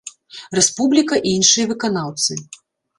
Рэспубліка і іншыя выканаўцы.